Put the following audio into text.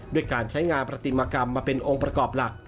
ด้วยการใช้งานประติมากรรมมาเป็นองค์ประกอบหลัก